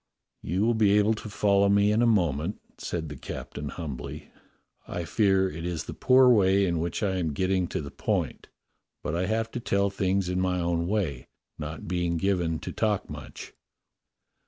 "You w411 be able to follow me in a moment," said the captain humbly. "I fear it is the poor way in which I am getting to the point; but I have to tell things in my own way, not being given to talk much."